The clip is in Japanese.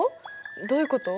どういうこと？